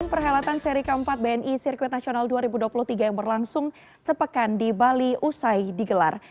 perhelatan seri keempat bni sirkuit nasional dua ribu dua puluh tiga yang berlangsung sepekan di bali usai digelar